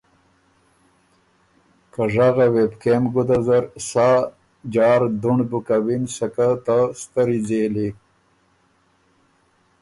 که ژغه وې بو کېم ګُده زر سا جار دُهنړ بُو کَوِن، سکه ته ستری ځېلی۔